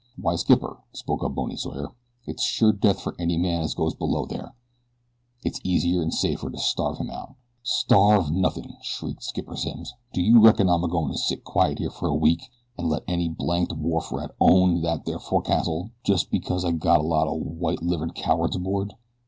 "Why, Skipper," spoke up Bony Sawyer, "it's sure death for any man as goes below there. It's easier, an' safer, to starve him out." "Starve nothin'," shrieked Skipper Simms. "Do you reckon I'm a goin' to sit quiet here for a week an' let any blanked wharf rat own that there fo'c's'le just because I got a lot o' white livered cowards aboard?